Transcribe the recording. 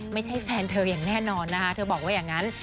ไม่ใช่แฟนเธออย่างแน่นอนนะคะเธอบอกว่าอย่างนั้น